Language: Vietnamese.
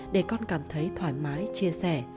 để con cảm thấy thoải mái chia sẻ